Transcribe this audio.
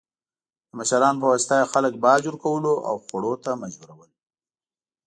د مشرانو په واسطه یې خلک باج ورکولو او خوړو ته مجبورول.